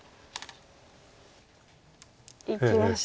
いきました。